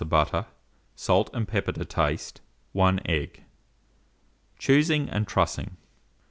of butter, salt and pepper to taste, 1 egg. Choosing and Trussing.